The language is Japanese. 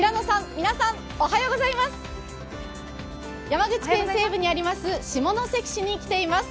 山口県西部にあります